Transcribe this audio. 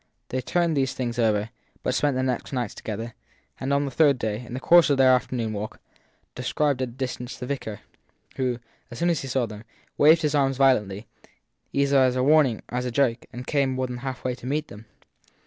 They turned these things over, but spent the next nights together ; and on the third day, in the course of their afternoon walk, descried at a distance the vicar, who, as soon as he saw them, waved his arms violently either as a warning or as a joke and came more than halfway to meet them.